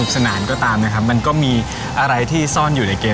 โต๊ะโต๊ะลวกออกมาก็ล่าก่อน